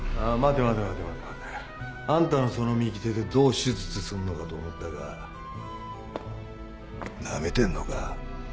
待て待て待て。あんたのその右手でどう手術すんのかと思ったがナメてんのか？